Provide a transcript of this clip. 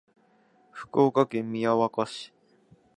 福岡県宮若市